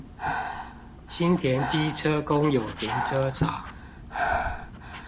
新田機車公有停車場